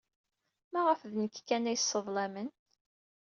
Maɣef d nekk kan ay sseḍlamen?